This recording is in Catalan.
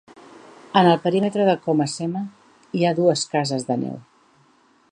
En el perímetre de Coma-sema hi ha dues cases de neu.